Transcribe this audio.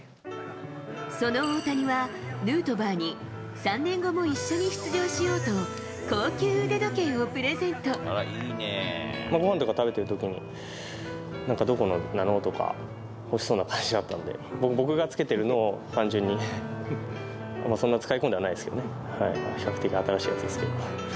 その大谷は、ヌートバーに、３年後も一緒に出場しようと、ごはんとか食べてるときに、なんかどこのなの？とか、欲しそうな感じだったので、僕がつけてるのを単純に、そんな使いこんではないですけどね、比較的新しいやつですけど。